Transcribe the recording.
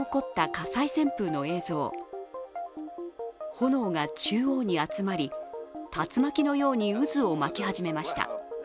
炎が中央に集まり、竜巻のように渦を巻き始めました。